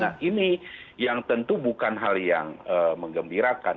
nah ini yang tentu bukan hal yang mengembirakan